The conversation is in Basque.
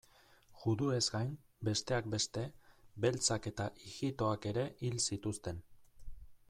Juduez gain, besteak beste, beltzak eta ijitoak ere hil zituzten.